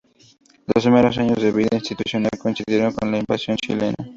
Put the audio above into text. Los primeros años de vida institucional coincidieron con la invasión chilena.